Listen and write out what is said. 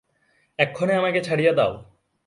এক্ষণে আমাকে ছাড়িয়া দাও।